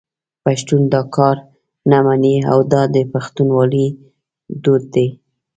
پښتون دا کار نه مني او دا د پښتونولي دود دی.